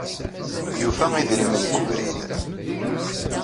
Yufa idrimen deg ubrid.